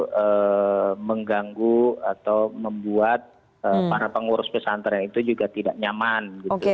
untuk mengganggu atau membuat para pengurus pesantren itu juga tidak nyaman